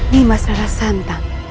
nih mas rara santang